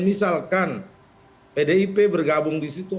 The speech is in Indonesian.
misalkan pdip bergabung di situ